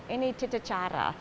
ini tentang cara